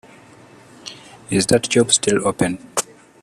Is that job still open?